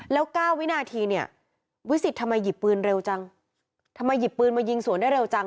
แล้วเก้าวินาทีเนี่ยวิสิทธิ์ทำไมหยิบปืนเร็วจังทำไมหยิบปืนมายิงสวนได้เร็วจัง